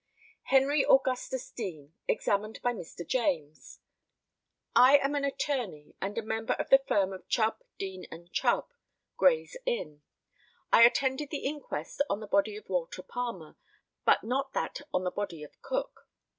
HENRY AUGUSTUS DEANE, examined by Mr. JAMES: I am an attorney, and a member of the firm of Chubb, Deane, and Chubb, Gray's inn. I attended the inquest on the body of Walter Palmer, but not that on the body of Cook.